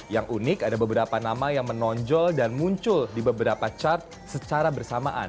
yang unik ada beberapa nama yang menonjol dan muncul di beberapa chart secara bersamaan